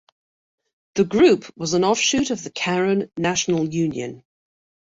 The group was an offshoot of the Karen National Union.